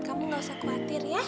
kamu gak usah khawatir ya